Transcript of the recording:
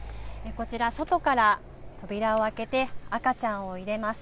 こちら、外から扉を開けて、赤ちゃんを入れます。